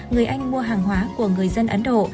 người anh mua hàng hóa của người dân ấn độ